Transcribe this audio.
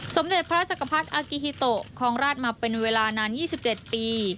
สมเด็จพระจักรพรรดิอากิฮิโตครองราชมาเป็นเวลานาน๒๗ปี